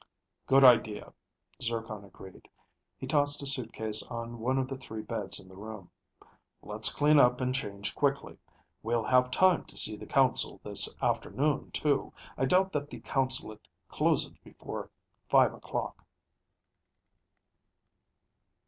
"Good idea," Zircon agreed. He tossed a suitcase on one of the three beds in the big room. "Let's clean up and change quickly. We'll have time to see the consul this afternoon, too. I doubt that the consulate closes before five o'clock."